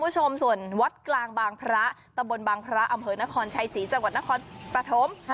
คุณผู้ชมส่วนวัดกลางบางพระตำบลบางพระอำเภอนครชัยศรีจังหวัดนครปฐม